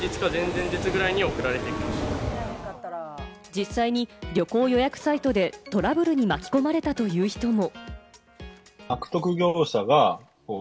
実際に旅行予約サイトでトラブルに巻き込まれたという人も。